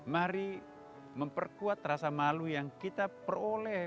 mari memperkuat rasa malu yang kita peroleh